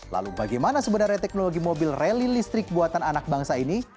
lalu bagaimana sebenarnya teknologi mobil rally listrik buatan anak bangsa ini